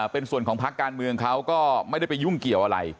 เป็นส่วนของพักการเมืองเขาก็ไม่ได้ไปยุ่งเกี่ยวอะไร